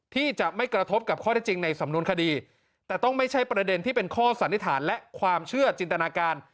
ที่จะไม่กระทบกับข้อได้จริงในสำนวนคดีแต่ต้องไม่ใช่ประเด็นที่เป็นข้อสันนิษฐานและความเชื่อจินตนาการ